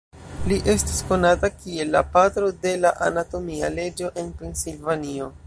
Li estas konata kiel la "Patro de la Anatomia Leĝo" en Pensilvanio.